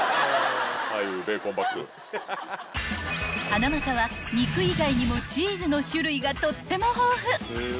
［ハナマサは肉以外にもチーズの種類がとっても豊富］